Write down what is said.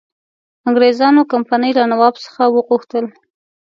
انګرېزانو کمپنی له نواب څخه وغوښتل.